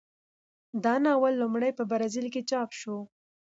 دا ناول لومړی په برازیل کې چاپ شو.